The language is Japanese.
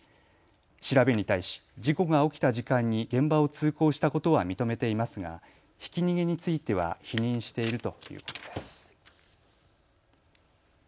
調べに対し、事故が起きた時間に現場を通行したことは認めていますがひき逃げについては否認しているということです。